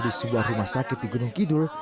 di sebuah rumah sakit di gunung kidul